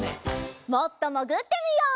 もっともぐってみよう！